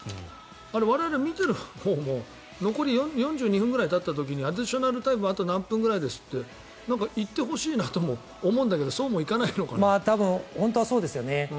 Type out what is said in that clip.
あれ、我々見ているほうも残り４２分ぐらいたった時にアディショナルタイムあと何分くらいですって言ってほしいなとも思うんだけど本当はそうですよね。